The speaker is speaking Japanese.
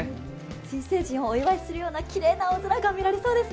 新成人をお祝いするようなきれいな青空が見られそうですね。